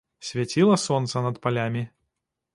Свяціла сонца над палямі.